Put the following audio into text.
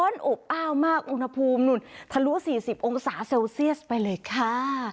ทะลุ๔๐องศาเซลเซียสไปเลยค่ะ